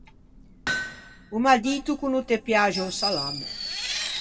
O m’à dito ch’o no te piaxe o salamme.